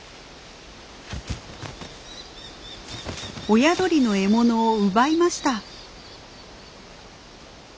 親鳥の獲物を奪いました。